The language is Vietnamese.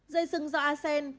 dây sừng do a sen